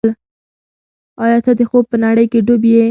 ایا ته د خوب په نړۍ کې ډوب یې؟